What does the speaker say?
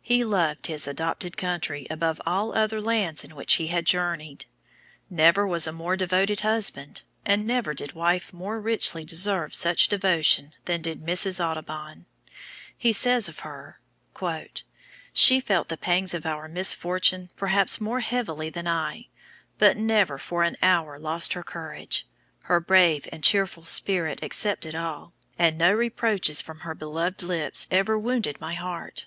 He loved his adopted country above all other lands in which he had journeyed. Never was a more devoted husband, and never did wife more richly deserve such devotion than did Mrs. Audubon. He says of her: "She felt the pangs of our misfortune perhaps more heavily than I, but never for an hour lost her courage; her brave and cheerful spirit accepted all, and no reproaches from her beloved lips ever wounded my heart.